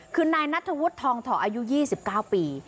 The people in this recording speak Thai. คือนายนัทธวุฒิทองถออายุ๒๙ปี